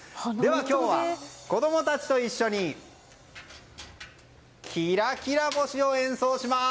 今日は子供たちと一緒に「きらきらぼし」を演奏します。